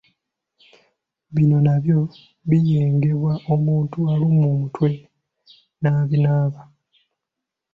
Bino nabyo biyengebwa omuntu alumwa omutwe n'abinaaba